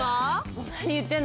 もう何言ってんの。